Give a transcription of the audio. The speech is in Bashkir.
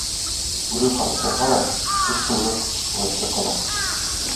Бүре ҡартайһа ла, бер ҡуйлыҡ ҡеүәте ҡала.